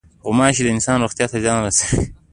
غوماشې د انسان روغتیا ته زیان رسوي.